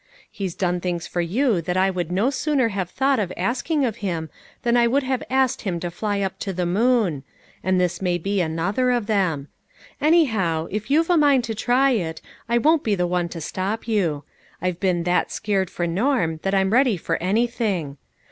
He's done things for you that I would no sooner have thought of asking of him than I would have asked him to fly up to the moon; and this may be another of them. Anyhow, if you've a mind to try it, I won't be the one to stop you. I've been that scared for Norm, that I'm ready for any thing.